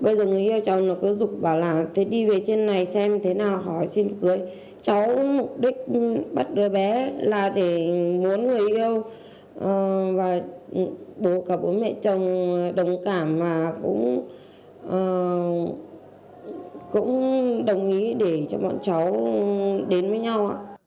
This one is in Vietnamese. bây giờ người yêu cháu nó cứ rục bảo là đi về trên này xem thế nào hỏi xin cưới cháu mục đích bắt đứa bé là để muốn người yêu và bố cả bố mẹ chồng đồng cảm và cũng đồng ý để cho bọn cháu đến với nhau